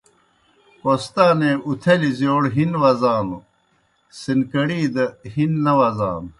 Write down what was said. کوہستانے اُتھلیْ زِیؤڑ ہِن وزانو، سِنکڑی دہ ہن نہ وزانوْ۔